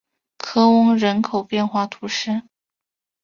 科翁人口变化图示